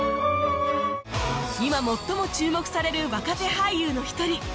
今最も注目される若手俳優の一人鈴鹿央士